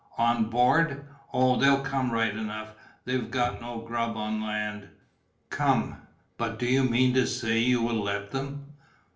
"On board!" "Oh, they'll come right enough, they've got no grub on land." "Come but do you mean to say you will let them?"